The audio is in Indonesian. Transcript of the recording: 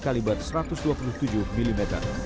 kaliber satu ratus dua puluh tujuh mm